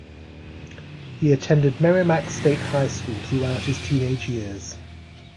He attended Merrimac State High School throughout his teenage years.